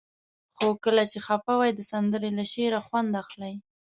خو کله چې خفه وئ د سندرې له شعره خوند اخلئ.